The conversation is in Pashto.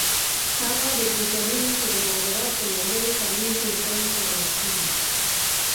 هغه ډېپریشنونه چې د مهاجرت په لومړیو کلونو کې انسان ورسره مخ کېږي.